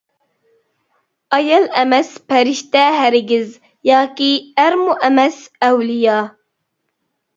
ئايال ئەمەس پەرىشتە ھەرگىز، ياكى ئەرمۇ ئەمەس ئەۋلىيا.